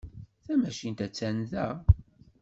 Tamacint attan da.